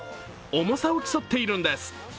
重さを競っているんです。